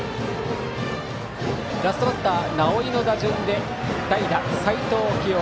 ラストバッター直井の打順で代打・齊藤を起用。